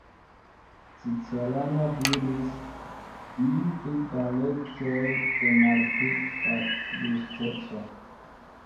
Cicerono diris "ju pli da leĝoj, des malpli da justeco".